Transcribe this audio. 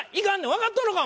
わかっとるのか？